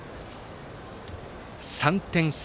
３点差。